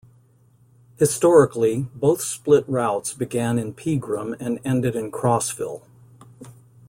Historically, both split routes began in Pegram and ended in Crossville.